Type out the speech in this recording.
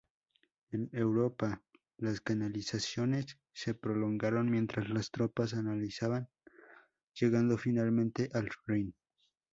En Europa, las canalizaciones se prolongaron mientras las tropas avanzaban, llegando finalmente al Rin.